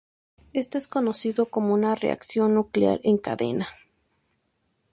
Esto es conocido como una reacción nuclear en cadena.